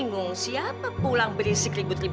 yang bahaya dan ag directors